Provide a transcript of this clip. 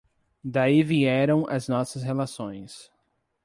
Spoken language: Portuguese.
daí vieram as nossas relações.